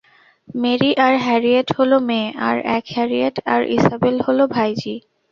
Marie আর Harriet হল মেয়ে, আর এক হ্যারিয়েট আর ইসাবেল হল ভাইঝি।